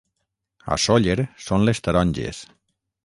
A Sóller són les taronges.